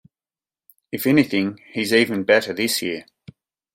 If anything, he's even better this year.